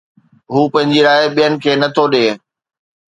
هو پنهنجي راءِ ٻين کي نه ٿو ڏئي